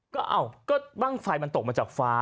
ก็เอ้าก็บ้างไฟมันตกมาจากฟ้า